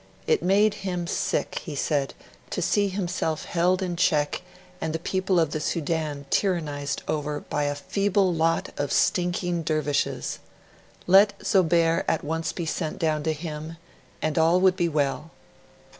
It made him sick, he said, to see himself held in check and the people of the Sudan tyrannised over by 'a feeble lot of stinking Dervishes'. Let Zobeir at once be sent down to him, and all would be well.